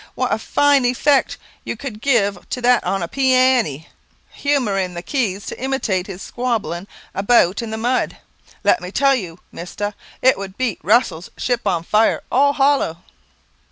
"What a fine effect you could give to that on the pee a ne, humouring the keys to imitate his squabbling about in the mud. Let me tell you, mister, it would beat Russell's 'Ship on Fire' all hollow."